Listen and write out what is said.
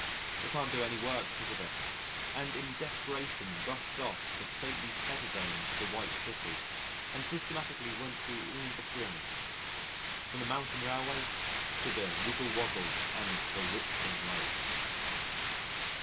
I can't do any work because of it, and in desperation rushed off to the stately pleasure domes of the White City, and systematically went through all the thrills from the Mountain Railway to the Wiggle Woggle and the 'Witching Waves.